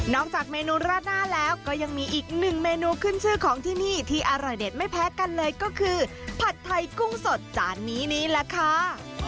จากเมนูราดหน้าแล้วก็ยังมีอีกหนึ่งเมนูขึ้นชื่อของที่นี่ที่อร่อยเด็ดไม่แพ้กันเลยก็คือผัดไทยกุ้งสดจานนี้นี่แหละค่ะ